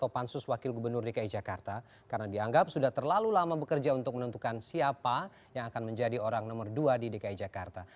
pansus wakil gubernur dki jakarta karena dianggap sudah terlalu lama bekerja untuk menentukan siapa yang akan menjadi orang nomor dua di dki jakarta